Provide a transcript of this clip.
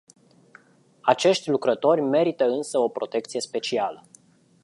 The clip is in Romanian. Acești lucrători merită însă o protecție specială.